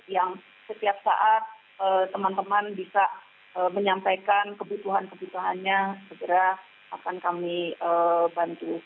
yang setiap saat teman teman bisa menyampaikan kebutuhan kebutuhannya segera akan kami bantu